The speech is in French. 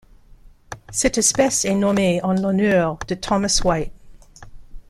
Cette espèce est nommée en l'honneur de Thomas White.